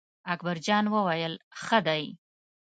اکبر جان وویل: ښه دی.